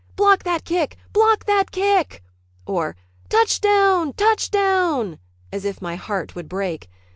Block that kick! Block that kick!" or "Touchdown! Touchdown!" as if my heart would break.